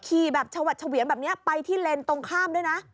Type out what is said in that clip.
ขี่แบบชวัดเฉวียนแบบนี้ไปที่เลนส์ตรงข้ามด้วยนะ